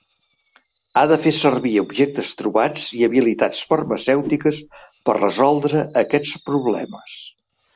Ha de fer servir objectes trobats i habilitats farmacèutiques per resoldre aquests problemes.